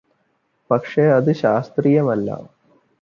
പക്ഷെ അത് ശാസ്ത്രീയമല്ല